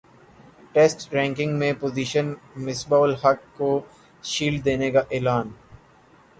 test ranking میں position Misbah ul Haq کو shield دینے کا اعلان